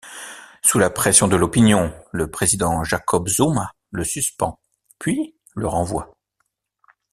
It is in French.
Sous la pression de l'opinion, le président Jacob Zuma le suspend, puis le renvoie.